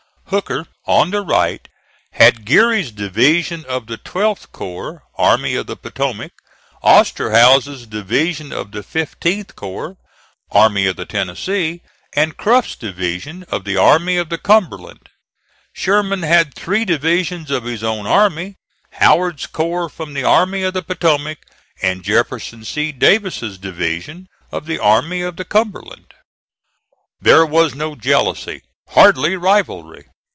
Hooker, on the right, had Geary's division of the 12th corps, Army of the Potomac; Osterhaus's division of the 15th corps, Army of the Tennessee; and Cruft's division of the Army of the Cumberland. Sherman had three divisions of his own army, Howard's corps from the Army of the Potomac, and Jefferson C. Davis's division of the Army of the Cumberland. There was no jealousy hardly rivalry.